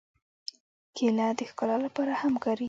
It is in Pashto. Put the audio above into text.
کېله د ښکلا لپاره هم کارېږي.